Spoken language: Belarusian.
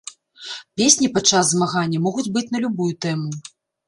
Песні падчас змагання могуць быць на любую тэму.